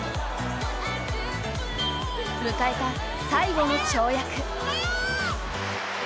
迎えた最後の跳躍。